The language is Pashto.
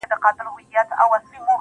نن پرې را اوري له اسمانــــــــــه دوړي_